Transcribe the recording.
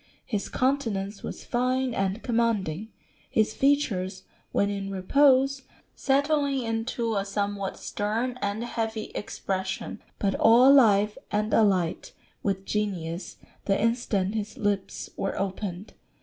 His countenance was fine and commanding, his features when in repose settling into a somewhat stern and heavy expression, but all alive and alight with genius the instant his lips were opened.